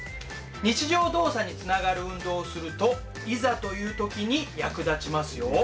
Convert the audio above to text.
日常動作につながる運動をするといざという時に役立ちますよ。